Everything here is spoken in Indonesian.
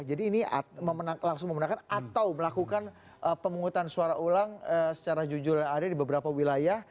jadi ini langsung memenangkan atau melakukan pemungutan suara ulang secara jujur dan adil di beberapa wilayah